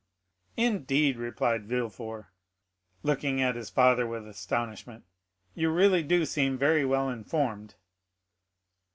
"Indeed!" replied Villefort, looking at his father with astonishment, "you really do seem very well informed."